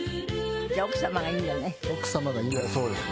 じゃあ奥様がいいのね。